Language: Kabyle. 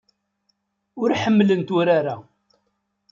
Ur ḥemmlent urar-a.